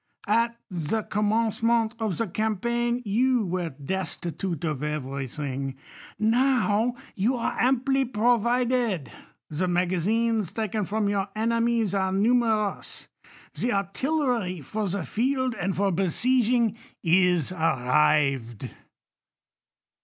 At the com mencement of the campaign you were destitute ot ev ery thing ; now you are amply provided ; the m^j^^ THE COLUMBIAN ORATOR. 155 zines taken from your enemies arc numerous ; the ar tillery for the field and for besieging is arrived.